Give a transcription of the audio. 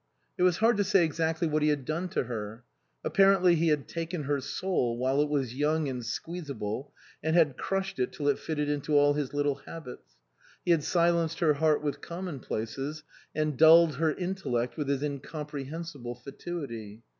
It was hard to say exactly what he had done to her. Apparently he had taken her soul while it was young and squeezable, and had crushed it till it fitted into all his little habits ; he had silenced her heart with commonplaces, and dulled her intellect with his incomprehensible fatuity.